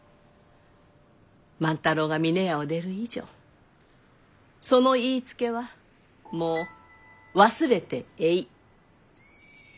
万太郎が峰屋を出る以上その言いつけはもう忘れてえい。